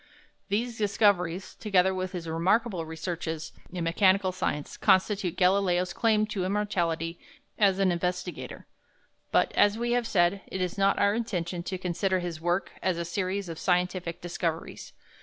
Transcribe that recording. These discoveries, together with his remarkable researches in mechanical science, constitute Galileo's claim to immortality as an investigator. But, as we have said, it is not our intention to consider his work as a series of scientific discoveries.